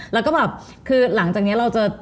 แล้วก็แบบคือหลังจากนี้เราจะ